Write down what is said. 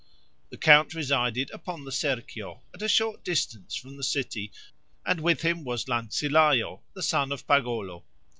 The count resided upon the Serchio, at a short distance from the city, and with him was Lanzilao, the son of Pagolo.